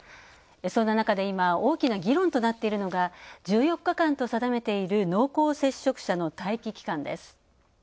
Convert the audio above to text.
そんな中で今、大きな議論となっているのが１４日間と定めている濃厚接触者の待機期間です。